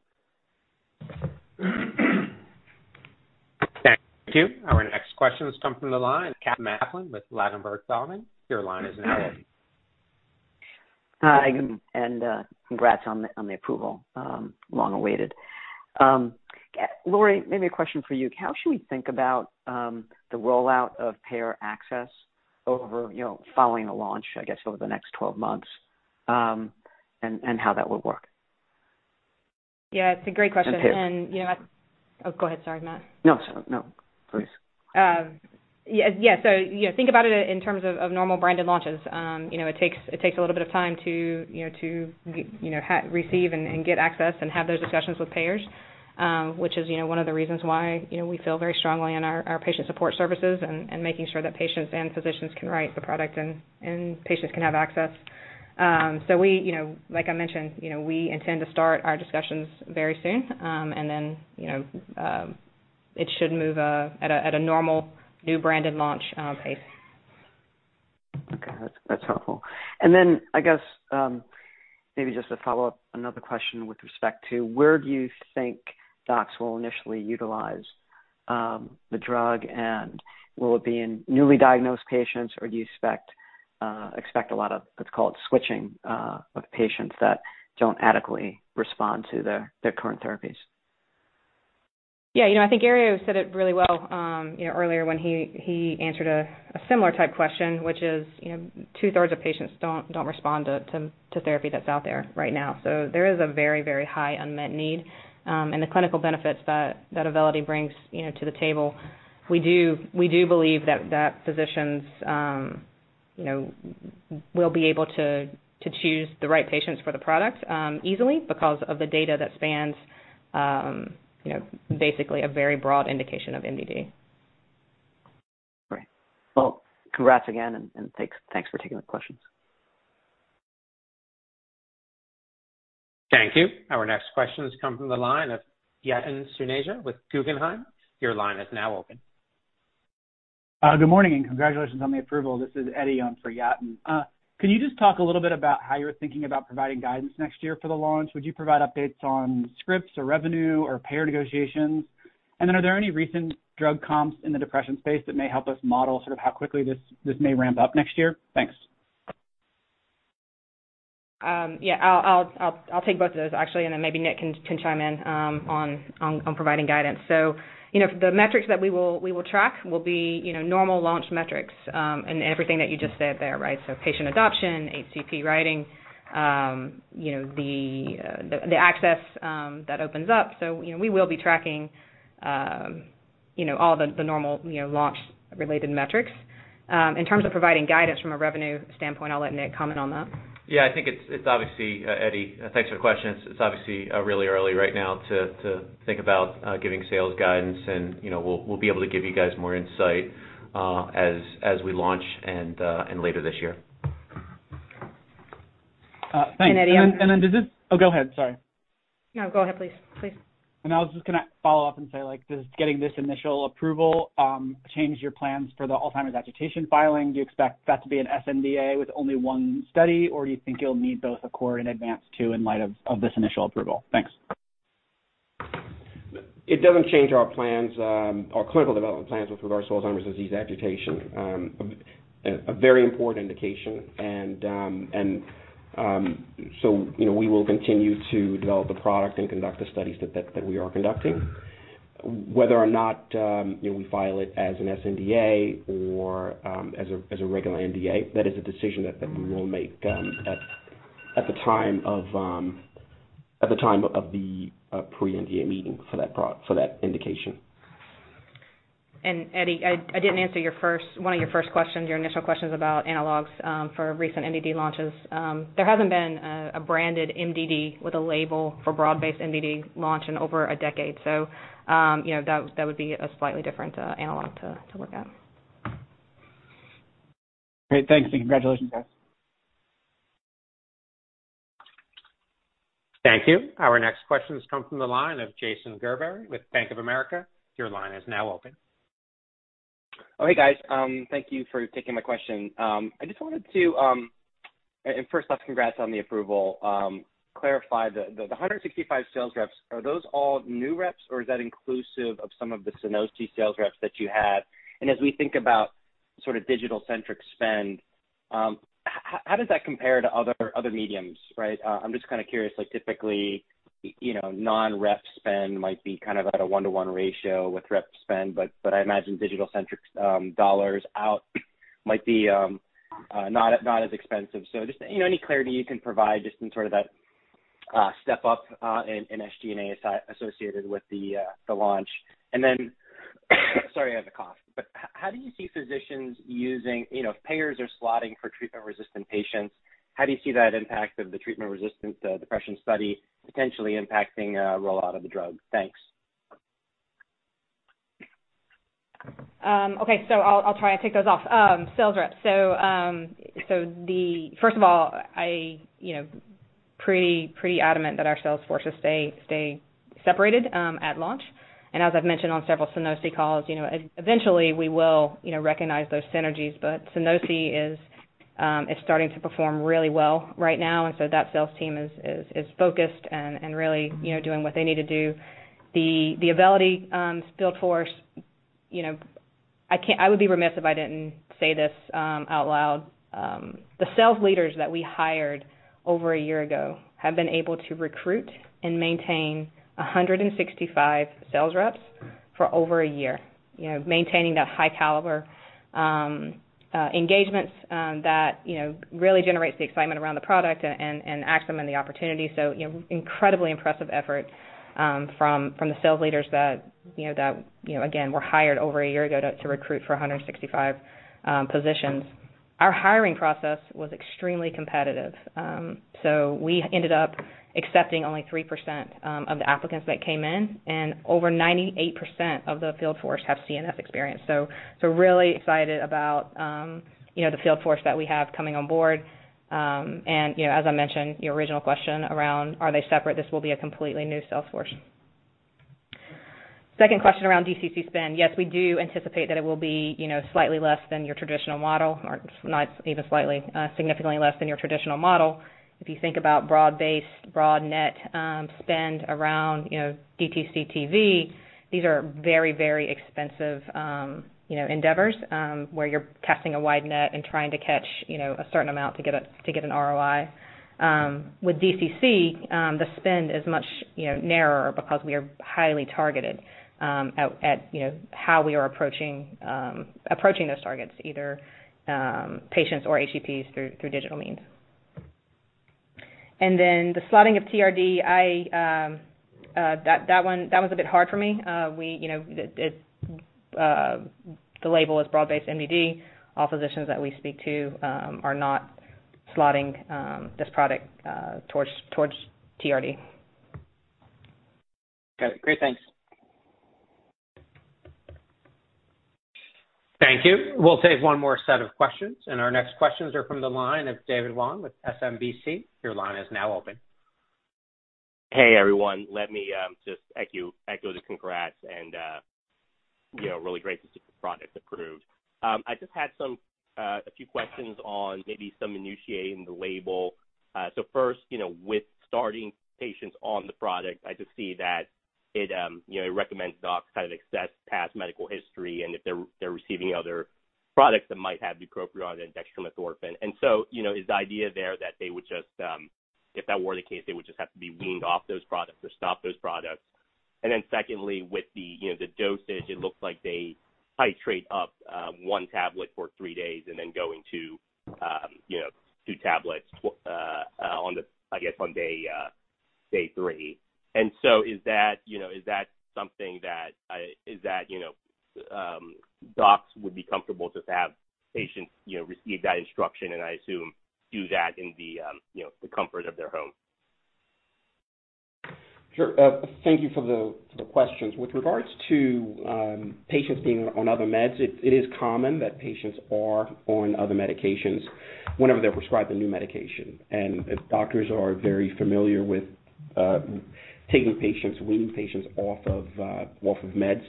Thank you. Our next question has come from the line, Matt Kaplan with Ladenburg Thalmann. Your line is now open. Hi, congrats on the approval, long awaited. Lori, maybe a question for you. How should we think about the rollout of payer access over, you know, following a launch, I guess, over the next 12 months, and how that would work? Yeah, it's a great question. Payers. You know. Oh, go ahead. Sorry, Matt. No. No. Please. Yeah. You know, think about it in terms of normal branded launches. You know, it takes a little bit of time to receive and get access and have those discussions with payers, which is one of the reasons why, you know, we feel very strongly in our patient support services and making sure that patients and physicians can write the product and patients can have access. We, you know, like I mentioned, you know, we intend to start our discussions very soon. You know, it should move at a normal new branded launch pace. Okay. That's helpful. I guess, maybe just to follow up another question with respect to where do you think docs will initially utilize the drug, and will it be in newly diagnosed patients, or do you expect a lot of what's called switching of patients that don't adequately respond to their current therapies? Yeah. You know, I think Herriot Tabuteau said it really well, you know, earlier when he answered a similar type question, which is, you know, 2/3 of patients don't respond to therapy that's out there right now. There is a very high unmet need, and the clinical benefits that Auvelity brings, you know, to the table. We believe that physicians, you know, will be able to choose the right patients for the product easily because of the data that spans, you know, basically a very broad indication of MDD. Great. Well, congrats again, and thanks for taking the questions. Thank you. Our next question comes from the line of Yatin Suneja with Guggenheim. Your line is now open. Good morning, and congratulations on the approval. This is Eddie on for Yatin. Can you just talk a little bit about how you were thinking about providing guidance next year for the launch? Would you provide updates on scripts or revenue or payer negotiations? Are there any recent drug comps in the depression space that may help us model sort of how quickly this may ramp up next year? Thanks. Yeah, I'll take both of those, actually, and then maybe Nick can chime in on providing guidance. You know, the metrics that we will track will be, you know, normal launch metrics, and everything that you just said there, right? Patient adoption, HCP writing, you know, the access that opens up. You know, we will be tracking, you know, all the normal launch related metrics. In terms of providing guidance from a revenue standpoint, I'll let Nick comment on that. Yeah, I think it's obviously Eddie, thanks for the question. It's obviously really early right now to think about giving sales guidance and, you know, we'll be able to give you guys more insight as we launch and later this year. Thanks. Eddie, I Oh, go ahead, sorry. No, go ahead, please. Please. I was just gonna follow up and say, like, does getting this initial approval change your plans for the Alzheimer's agitation filing? Do you expect that to be an sNDA with only one study, or do you think you'll need both ACCORD and ADVANCE-2 in light of this initial approval? Thanks. It doesn't change our plans, our clinical development plans with regards to Alzheimer's disease agitation. A very important indication. You know, we will continue to develop the product and conduct the studies that we are conducting. Whether or not, you know, we file it as an NDA or as a regular NDA, that is a decision that we will make at the time of the pre-NDA meeting for that indication. Eddie, I didn't answer your first questions, your initial questions about analogs for recent MDD launches. There hasn't been a branded MDD with a label for broad-based MDD launch in over a decade. You know, that would be a slightly different analog to look at. Great. Thanks. Congratulations, guys. Thank you. Our next question comes from the line of Jason Gerberry with Bank of America. Your line is now open. Oh, hey, guys. Thank you for taking my question. I just wanted to, and first off, congrats on the approval. Clarify the 165 sales reps, are those all new reps or is that inclusive of some of the Sunosi sales reps that you have? As we think about sort of digital-centric spend, how does that compare to other mediums, right? I'm just kinda curious, like typically, you know, non-rep spend might be kind of at a one-to-one ratio with rep spend, but I imagine digital-centric dollars out might be not as expensive. Just, you know, any clarity you can provide just in sort of that step up in SG&A associated with the launch. Sorry, I have a cough. How do you see physicians using, you know, payers are slotting for treatment-resistant patients. How do you see that impact of the treatment-resistant depression study potentially impacting rollout of the drug? Thanks. Okay. I'll try to take those off. Sales reps. The first of all, I, you know, pretty adamant that our sales forces stay separated at launch. As I've mentioned on several Sunosi calls, you know, eventually we will, you know, recognize those synergies. Sunosi is starting to perform really well right now, and so that sales team is focused and really, you know, doing what they need to do. The Auvelity field force, you know, I would be remiss if I didn't say this out loud. The sales leaders that we hired over a year ago have been able to recruit and maintain 165 sales reps for over a year. You know, maintaining that high caliber engagements that you know really generates the excitement around the product and Axsome and the opportunity. You know, incredibly impressive effort from the sales leaders that you know again were hired over a year ago to recruit for 165 positions. Our hiring process was extremely competitive. We ended up accepting only 3% of the applicants that came in, and over 98% of the field force have CNS experience. Really excited about you know the field force that we have coming on board. You know, as I mentioned, your original question around are they separate? This will be a completely new sales force. Second question around DTC spend. Yes, we do anticipate that it will be, you know, slightly less than your traditional model, or not even slightly, significantly less than your traditional model. If you think about broad-based, broad-net spend around, you know, DTC TV, these are very, very expensive, you know, endeavors, where you're casting a wide net and trying to catch, you know, a certain amount to get an ROI. With DCC, the spend is much, you know, narrower because we are highly targeted at, you know, how we are approaching those targets, either patients or HCPs through digital means. Then the slotting of TRD, that one, that one's a bit hard for me. We, you know, it, the label is broad-based MDD. All physicians that we speak to are not slotting this product towards TRD. Got it. Great. Thanks. Thank you. We'll take one more set of questions, and our next questions are from the line of David Wong with SMBC. Your line is now open. Hey, everyone. Let me just echo the congrats and, you know, really great to see the product approved. I just had some a few questions on maybe some initiating the label. First, you know, with starting patients on the product, I just see that it, you know, it recommends docs kind of assess past medical history and if they're receiving other products that might have bupropion and dextromethorphan. You know, is the idea there that they would just, if that were the case, they would just have to be weaned off those products or stop those products? Secondly, with the, you know, the dosage, it looks like they titrate up, one tablet for three days and then going to, you know, two tablets on day three, I guess. Is that something that docs would be comfortable to have patients, you know, receive that instruction and I assume do that in the, you know, comfort of their home? Sure. Thank you for the questions. With regards to patients being on other meds, it is common that patients are on other medications whenever they're prescribed a new medication. If doctors are very familiar with taking patients, weaning patients off of meds,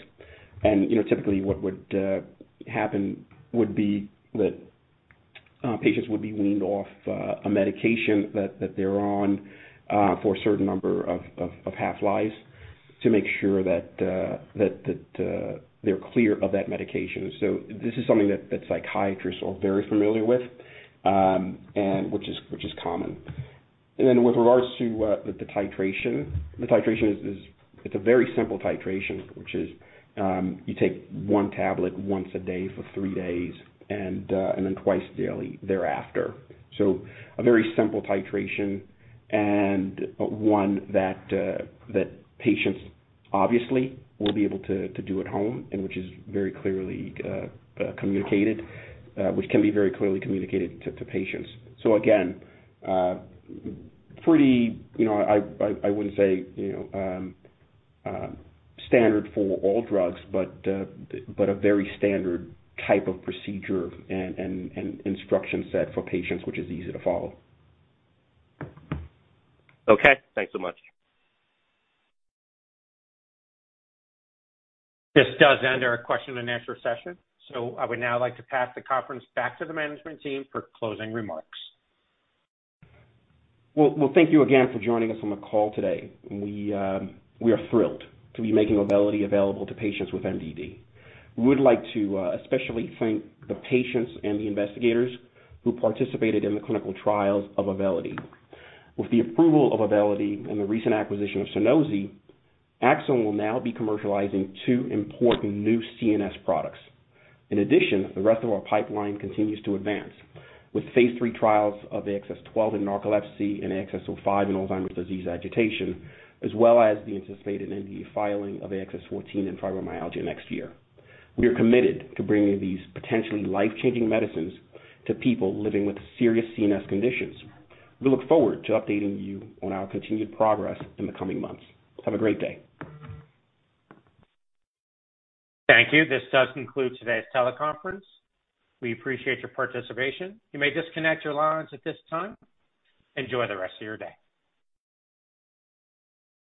you know, typically what would happen would be that patients would be weaned off a medication that they're on for a certain number of half-lives to make sure that they're clear of that medication. This is something that psychiatrists are very familiar with and which is common. Then with regards to the titration. The titration is. It's a very simple titration, which is, you take 1 tablet once a day for three days and then twice daily thereafter. A very simple titration and one that patients obviously will be able to do at home and which is very clearly communicated, which can be very clearly communicated to patients. Again, pretty, you know, I wouldn't say, you know, standard for all drugs, but a very standard type of procedure and instruction set for patients which is easy to follow. Okay. Thanks so much. This does end our question and answer session. I would now like to pass the conference back to the management team for closing remarks. Well, well, thank you again for joining us on the call today. We are thrilled to be making Auvelity available to patients with MDD. We would like to especially thank the patients and the investigators who participated in the clinical trials of Auvelity. With the approval of Auvelity and the recent acquisition of Sunosi, Axsome will now be commercializing two important new CNS products. In addition, the rest of our pipeline continues to advance with phase III trials of AXS-12 in narcolepsy and AXS-05 in Alzheimer's disease agitation, as well as the anticipated NDA filing of AXS-14 in fibromyalgia next year. We are committed to bringing these potentially life-changing medicines to people living with serious CNS conditions. We look forward to updating you on our continued progress in the coming months. Have a great day. Thank you. This does conclude today's teleconference. We appreciate your participation. You may disconnect your lines at this time. Enjoy the rest of your day.